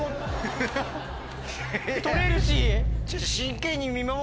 とれるし。